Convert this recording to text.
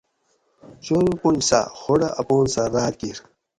چور پونج ساۤ خوڑہ اپان سہ راۤت کِیر